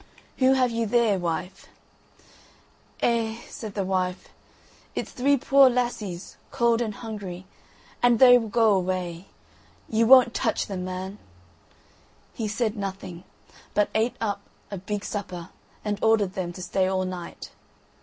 Who have you there wife?" "Eh," said the wife, "it's three poor lassies cold and hungry, and they will go away. Ye won't touch 'em, man." He said nothing, but ate up a big supper, and ordered them to stay all night.